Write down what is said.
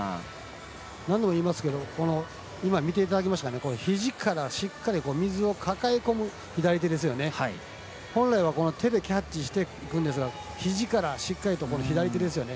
何度も言いますけどひじからしっかり水を抱え込む左手ですよね、本来は手でキャッチしていくんですがひじからしっかりと左手ですよね。